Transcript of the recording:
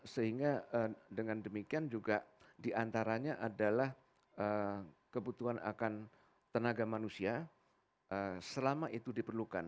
sehingga dengan demikian juga diantaranya adalah kebutuhan akan tenaga manusia selama itu diperlukan